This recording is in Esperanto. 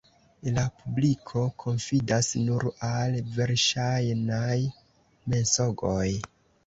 La publiko konfidas nur al verŝajnaj mensogoj.